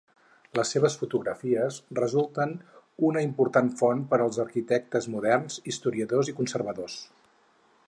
Les seves fotografies resulten una important font per als arquitectes moderns, historiadors i conservadors.